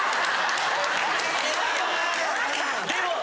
でも。